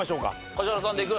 梶原さんでいく？